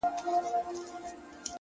زړه سوي عملونه اوږد مهاله اغېز لري!.